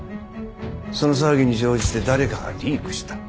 その騒ぎに乗じて誰かがリークした。